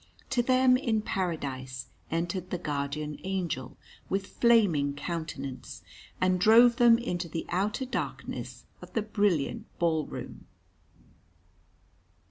To them in Paradise entered the Guardian Angel with flaming countenance, and drove them into the outer darkness of the brilliant ball room.